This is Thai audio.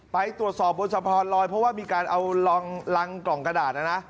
ไปตรวจสอบบนสะพานลอยเพราะว่ามีการเอารังกล่องกระดาษนะนะ